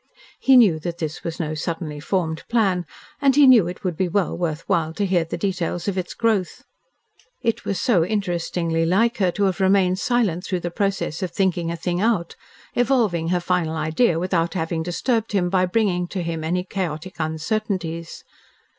He knew that this was no suddenly formed plan, and he knew it would be well worth while to hear the details of its growth. It was so interestingly like her to have remained silent through the process of thinking a thing out, evolving her final idea without having disturbed him by bringing to him any chaotic uncertainties.